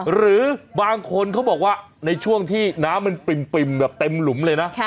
หรือบางคนเขาบอกว่าในช่วงที่น้ำมันปริ่มแบบเต็มหลุมเลยนะ